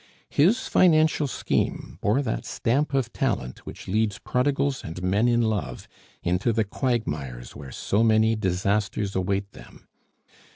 His financial scheme bore that stamp of talent which leads prodigals and men in love into the quagmires where so many disasters await them.